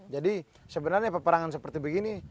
jadi sebenarnya peperangan seperti begini